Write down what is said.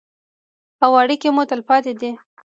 او اړیکې مو تلپاتې دي.